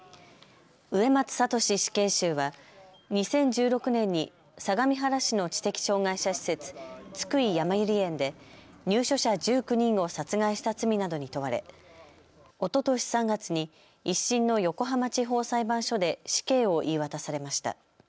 植松聖死刑囚は２０１６年に相模原市の知的障害者施設、津久井やまゆり園で入所者１９人を殺害した罪などに問われ、おととし３月に１審の横浜地方裁判所で死刑を言い渡されました。